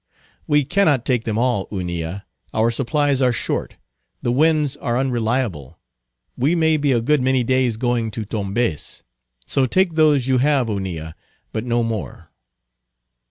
"We cannot take them all, Hunilla; our supplies are short; the winds are unreliable; we may be a good many days going to Tombez. So take those you have, Hunilla; but no more."